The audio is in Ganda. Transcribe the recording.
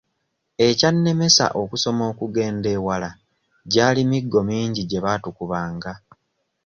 Ekyannemesa okusoma okugenda ewala gyali miggo mingi gye baatukubanga.